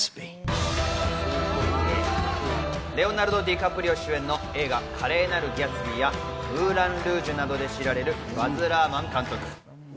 レオナルド・ディカプリオ主演の映画『華麗なるギャツビー」や『ムーラン・ルージュ』などで知られるバズ・ラーマン監督。